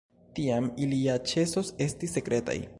Tiam ili ja ĉesos esti sekretaj.